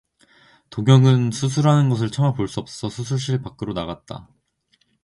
동혁은 수술하는 것을 차마 볼 수 없어서 수술실 밖으로 나갔다.